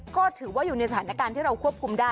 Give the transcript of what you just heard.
ก็ถือว่าอยู่ในสถานการณ์ที่เราควบคุมได้